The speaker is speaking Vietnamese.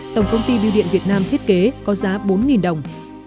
tổng công ty biêu điện việt nam thiết kế có giá bốn đồng